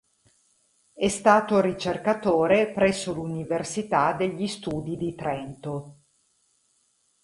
È stato ricercatore presso l'Università degli Studi di Trento.